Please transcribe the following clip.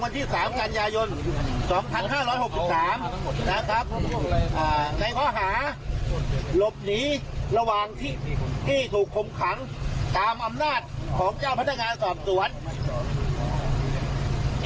ที่ถูกคุมขังตามอำนาจของเจ้าพันธกาลสอบสวรรค์